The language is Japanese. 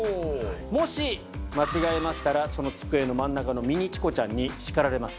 もし間違えましたらその机の真ん中のミニチコちゃんに叱られます。